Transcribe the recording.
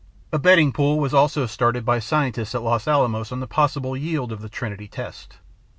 A betting pool was also started by scientists at Los Alamos on the possible yield of the Trinity test.